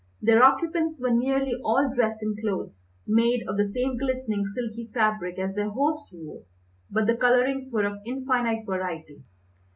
Their occupants were nearly all dressed in clothes made of the same glistening, silky fabric as their host wore, but the colourings were of infinite variety.